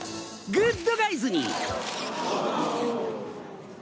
グッドガイズに！